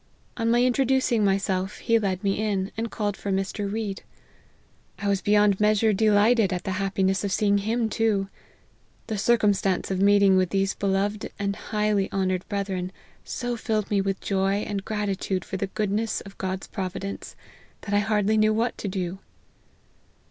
On my introducing myself, he led me in, and called for Mr. Read. I was beyond measure delighted at the happiness of seeing him too. The circumstance of meeting with these beloved and highly honoured brethren, so filled me with joy and gratitude for the goodness of God's providence, that I hardly knew what to do."